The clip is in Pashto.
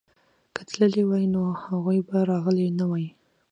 که تللي وای نو هغوی به راغلي نه وای.